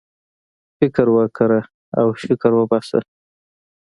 فكر وكره او شكر وباسه!